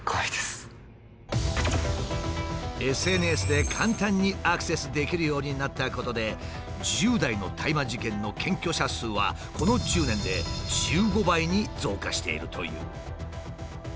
ＳＮＳで簡単にアクセスできるようになったことで１０代の大麻事件の検挙者数はこの１０年で１５倍に増加しているという。